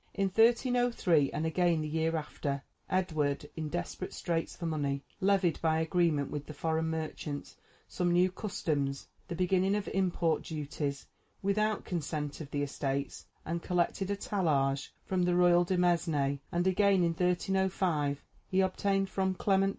In 1303, and again the year after, Edward, in desperate straits for money, levied, by agreement with the foreign merchants, some new customs the beginning of import duties, without consent of the estates, and collected a tallage from the royal demesne; and again, in 1305, he obtained from Clement V.